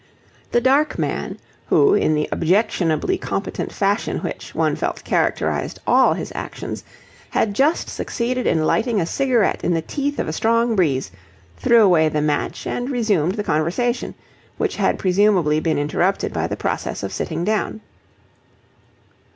The dark man, who in the objectionably competent fashion which, one felt, characterized all his actions, had just succeeded in lighting a cigarette in the teeth of a strong breeze, threw away the match and resumed the conversation, which had presumably been interrupted by the process of sitting down.